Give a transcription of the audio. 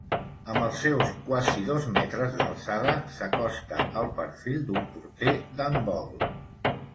Amb els seus quasi dos metres d'alçada, s'acosta al perfil d'un porter d'handbol.